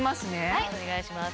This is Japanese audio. はいお願いします。